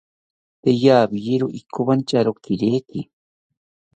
Tee rawiero ikowantyawo kireki